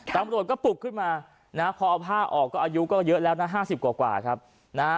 ตำรวจก็ปลุกขึ้นมานะพอเอาผ้าออกก็อายุก็เยอะแล้วนะห้าสิบกว่าครับนะฮะ